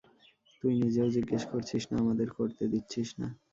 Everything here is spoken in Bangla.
তুই নিজেও জিজ্ঞেস করছিস না আমাদেরও করতে দিচ্ছিস না?